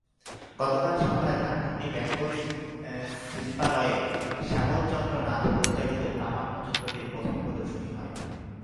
গতকাল সন্ধ্যায় ধানমন্ডির বেঙ্গল শিল্পালয়ে শ্যামলচন্দ্র নাথ পরিচালিত প্রামাণ্যচিত্রটির প্রথম প্রদর্শনী হয়।